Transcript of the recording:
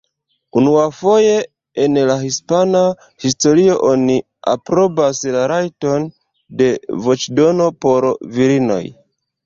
Unuafoje en la hispana historio, oni aprobas la rajton de voĉdono por la virinoj.